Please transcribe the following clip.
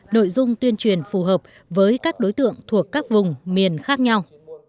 nội dung tuyên truyền phù hợp với các đối tượng thuộc các vùng miền khác nhau